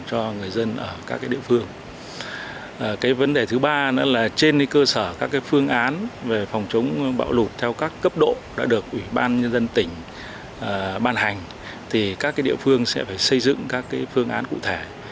cái vấn đề thứ ba nữa là trên cơ sở các cái phương án về phòng chống bão lục theo các cấp độ đã được ủy ban nhân dân tỉnh ban hành thì các cái địa phương sẽ phải xây dựng các cái phương án cụ thể